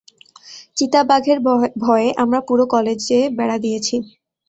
চিতাবাঘের ভয়ে আমরা পুরো কলেজে বেড়া দিয়েছি।